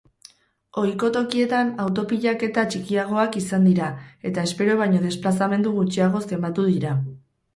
Ohiko tokietan auto-pilaketa txikiagoak izan dira eta espero baino desplazamendu gutxiago zenbatu dira.